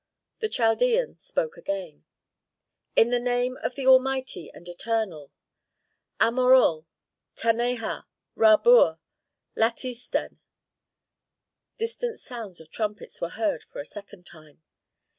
The Chaldean spoke again, "In the name of the Almighty and Eternal Amorul, Taneha, Rabur, Latisten." Distant sounds of trumpets were heard for a second time.